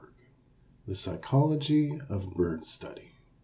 ] THE PSYCHOLOGY OF BIRD STUDY.